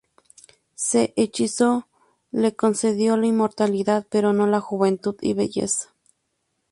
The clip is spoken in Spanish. Su hechizo le concedió la inmortalidad, pero no la juventud y belleza.